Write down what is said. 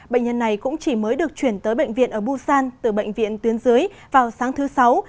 bệnh nhân này cũng chỉ mới được chuyển tới bệnh viện ở busan từ bệnh viện tuyến dưới vào sáng thứ sáu